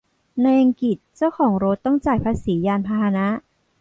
ในอังกฤษ เจ้าของรถต้องจ่ายภาษียานพาหนะ